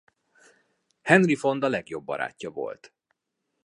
Henry Fonda legjobb barátja volt.